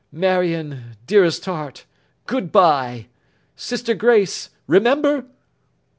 Marion, dearest heart, good bye! Sister Grace! remember!